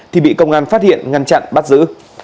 thì bị công an phát hiện ngăn chặn bắt giữ